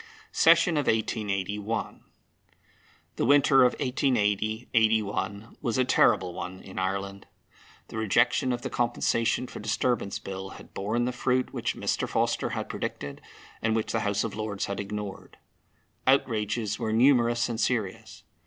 SESSION OF 1881. The winter of 1880 81 was a terrible one in Ireland. The rejection of the Compensation for Disturbance Bill had borne the fruit which Mr. Forster had predicted, and which the House of Lords had ignored. Outrages were numerous and serious.